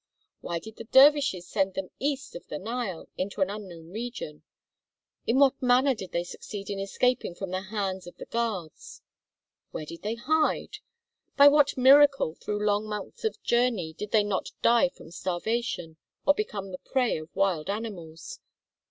Why did the dervishes send them east of the Nile into an unknown region? In what manner did they succeed in escaping from the hands of the guards? Where did they hide? By what miracle through long months of journey did they not die from starvation, or become the prey of wild animals?